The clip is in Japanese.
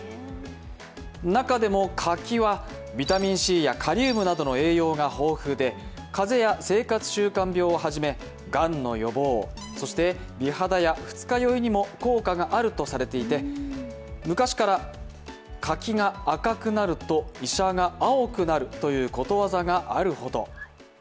中でも柿は、ビタミンＣやカリウムなどの栄養が豊富で風邪や生活習慣病をはじめがんの予防、そして美肌や二日酔いにも効果があるとされていて昔から「柿が赤くなると医者が青くなる」ということわざがあるほど。